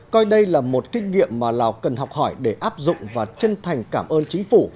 coi đây là một kinh nghiệm mà lào cần học hỏi để áp dụng và chân thành cảm ơn chính phủ